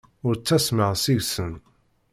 Ur ttasmeɣ seg-sen.